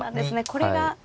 これが。